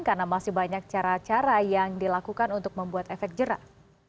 karena masih banyak cara cara yang dilakukan untuk membuat efek jerak